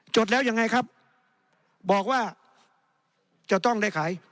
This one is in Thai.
จดแล้วยังไงครับบอกว่าจะต้องได้ขาย